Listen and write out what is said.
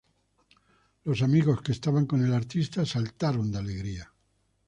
Los amigos que estaban con el artista saltaron de alegría.